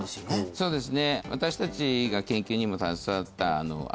そうですね